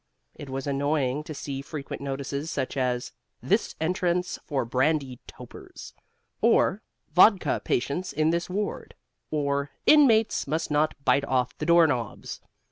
It was annoying to see frequent notices such as: This Entrance for Brandy Topers; or Vodka Patients in This Ward; or Inmates Must Not Bite Off the Door Knobs.